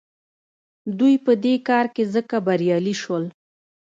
دوی په دې کار کې ځکه بریالي شول.